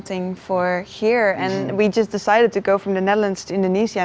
dan kami baru saja memutuskan untuk pergi dari the netherlands ke indonesia